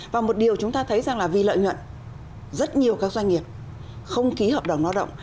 và một điều chúng ta thấy rằng là vì lợi nhuận rất nhiều các doanh nghiệp không ký hợp đồng lao động